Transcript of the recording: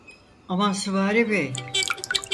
Aman Süvari Bey…